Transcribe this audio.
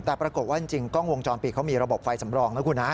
แต่ปรากฏว่าจริงกล้องวงจรปิดเขามีระบบไฟสำรองนะคุณฮะ